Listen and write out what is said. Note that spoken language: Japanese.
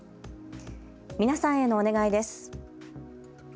皆さんへのお願いです。